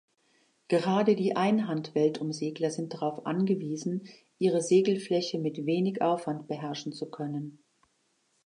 Gerade die Einhand-Weltumsegler sind darauf angewiesen, ihre Segelfläche mit wenig Aufwand beherrschen zu können.